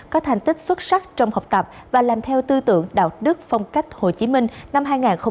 có thành tích xuất sắc trong học tập và làm theo tư tượng đạo đức phong cách hồ chí minh năm hai nghìn hai mươi một hai nghìn hai mươi hai